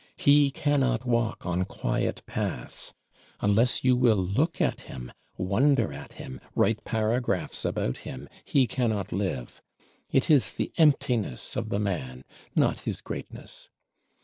He cannot walk on quiet paths; unless you will look at him, wonder at him, write paragraphs about him, he cannot live. It is the emptiness of the man, not his greatness.